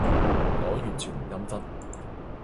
我完全唔陰質